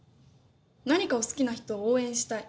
何かを好きな人を応援したい。